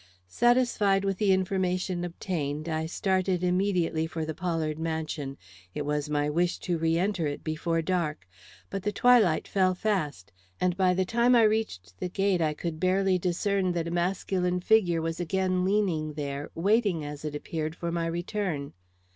Satisfied with the information obtained, I started immediately for the Pollard mansion. It was my wish to re enter it before dark. But the twilight fell fast, and by the time I reached the gate I could barely discern that a masculine figure was again leaning there, waiting, as it appeared, for my return.